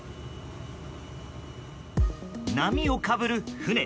波をかぶる船。